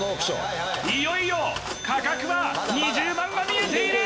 いよいよ価格は２０万が見えている！